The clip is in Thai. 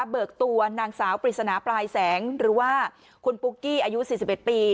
เบิกตัวนางสาวปริศนาปลายแสงหรือว่าคุณปุ๊กกี้อายุ๔๑ปี